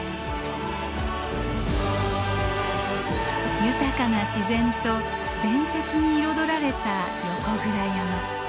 豊かな自然と伝説に彩られた横倉山。